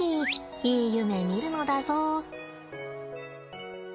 いい夢見るのだぞ。